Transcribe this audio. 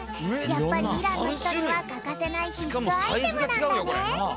やっぱりイランのひとにはかかせないひっすアイテムなんだね。